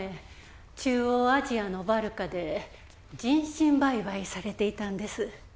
中央アジアのバルカで人身売買されていたんです